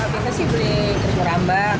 kita sih beli kerja rambak